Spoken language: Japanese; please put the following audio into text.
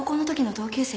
同級生に？